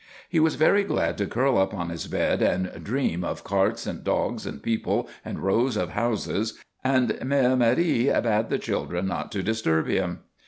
He was very glad to curl up on his bed and dream of carts and dogs and people and rows of houses, and Mère Marie bade the children not to disturb him.